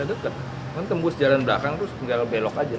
itu kan tembus jalan belakang terus tinggal belok aja